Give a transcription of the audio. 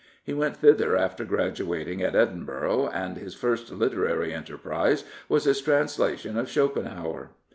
He went thither after graduating at Edinburgh, and his first literary enterprise was his translation of Schopenhauer.